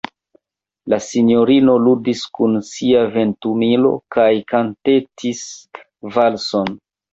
La sinjorino ludis kun sia ventumilo kaj kantetis valson.